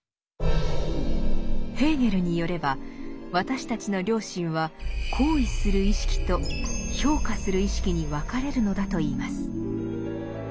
ヘーゲルによれば私たちの良心は「行為する意識」と「評価する意識」に分かれるのだといいます。